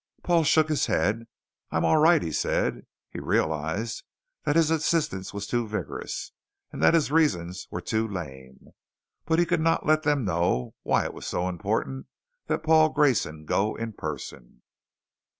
Paul shook his head again. "I'm all right," he said. He realized that his insistence was too vigorous and that his reasons were too lame. But he could not let them know why it was so important that Paul Grayson go in person.